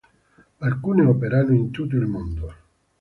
Alcune operano in tutto il mondo.